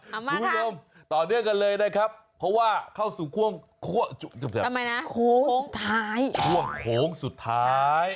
คุณผู้ชมต่อเนื่องกันเลยนะครับเพราะว่าเข้าสู่ช่วงท้ายช่วงโค้งสุดท้าย